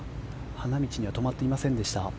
花道には止まっていませんでした。